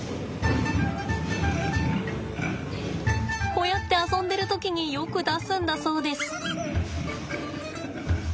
こうやって遊んでる時によく出すんだそうです。